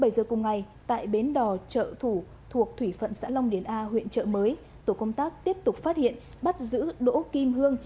bảy giờ cùng ngày tại bến đỏ trợ thủ thuộc thủy phận xã long điền a huyện trợ mới tổ công tác tiếp tục phát hiện bắt giữ đỗ kim hương